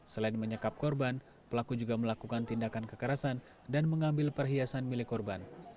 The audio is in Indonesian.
selain menyekap korban pelaku juga melakukan tindakan kekerasan dan mengambil perhiasan milik korban